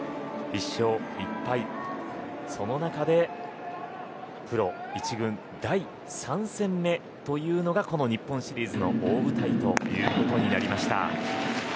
１勝１敗、その中でプロ１軍第３戦目というのがこの日本シリーズの大舞台となりました。